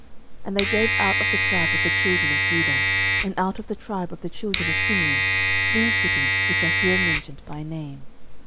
06:021:009 And they gave out of the tribe of the children of Judah, and out of the tribe of the children of Simeon, these cities which are here mentioned by name.